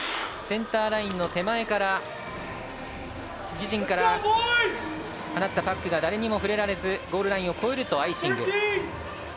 センターラインの手前から自陣から放ったパックが誰にも触れられずゴールラインを越えるとアイシング。